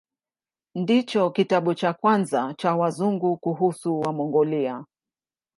Ndicho kitabu cha kwanza cha Wazungu kuhusu Wamongolia.